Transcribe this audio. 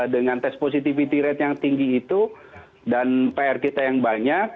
dengan tes positivity rate yang tinggi itu dan pr kita yang banyak